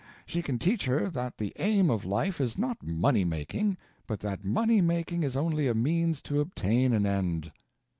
She can teach her that the aim of life is not money making, but that money making is only a means to obtain an end.